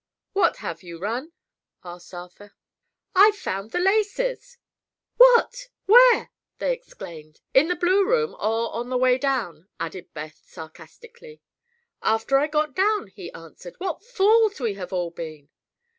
"What have you, Run?" asked Arthur. "I've found the laces." "What?—where?" they exclaimed. "In the blue room, or on the way down?" added Beth sarcastically. "After I got down," he answered. "What fools we have all been!"